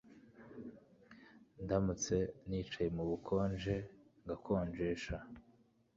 Ndamutse nicaye mu bukonje ngakonjesha